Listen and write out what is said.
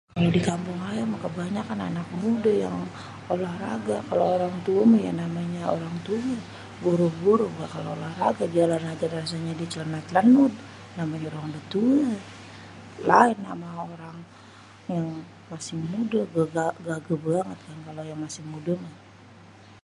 kalo dikampung ayèmèh kebanyakan anak mudèh yang olahraga kalo orang tuèh mèh ya namènyè orang tuèh boro-boro bakal olahraga jalan ajè rasanyè diè cèlènak cèlènut namanyè orang udèh tuèh laèn ama orang yang masih mudè gagè banget kan kalo yang masi mudè mèh.